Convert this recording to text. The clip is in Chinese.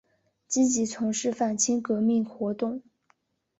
积极从事反清革命活动。